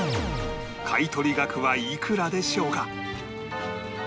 買取額はいくらでしょうか？